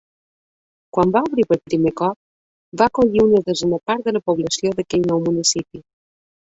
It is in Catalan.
Quan va obrir per primer cop, va acollir una desena part de la població d'aquell nou municipi.